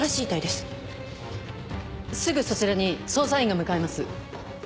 すぐそちらに捜査員が向かいます。